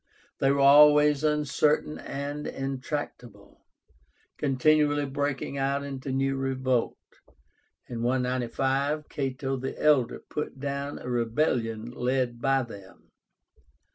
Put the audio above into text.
They were always uncertain and intractable, continually breaking out into revolt. In 195, Cato the elder put down a rebellion led by them.